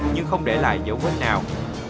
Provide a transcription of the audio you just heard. nhưng không để lại dấu vết nào